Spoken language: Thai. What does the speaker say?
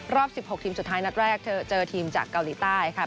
รอบ๑๖ทีมสุดท้ายนัดแรกเธอเจอทีมจากเกาหลีใต้ค่ะ